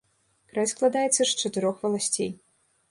Край складаецца з чатырох валасцей.